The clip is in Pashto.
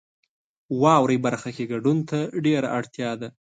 واورئ برخه کې ګډون ته ډیره اړتیا ده.